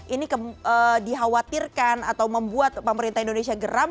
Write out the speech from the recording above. ini dikhawatirkan atau membuat pemerintah indonesia geram